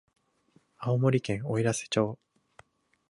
青森県おいらせ町